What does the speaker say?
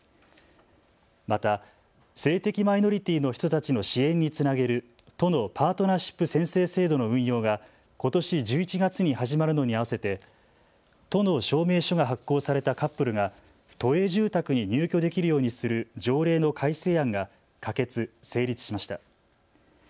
また性的マイノリティーの人たちの支援につなげる都のパートナーシップ宣誓制度の運用が、ことし１１月に始まるのに合わせて都の証明書が発行されたカップルが都営住宅に入居できるようにする条例の改正案が可決・成立しました。